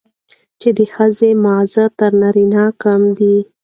چې د ښځې ماغزه تر نارينه کم دي،